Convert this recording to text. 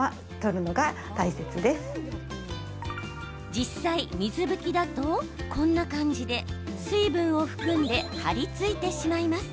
実際、水拭きだとこんな感じで水分を含んで貼り付いてしまいます。